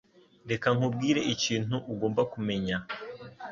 Reka nkubwire ikintu ugomba kumenya.